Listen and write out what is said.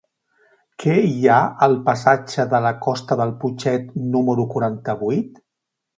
Què hi ha al passatge de la Costa del Putxet número quaranta-vuit?